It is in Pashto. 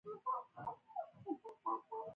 چارمغز د بدن د اوبو تعادل ساتي.